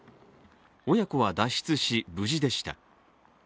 親子は脱出し、無事でした。